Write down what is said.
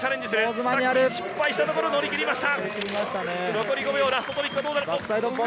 失敗したところを乗り切りました。